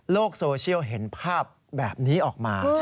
โซเชียลเห็นภาพแบบนี้ออกมา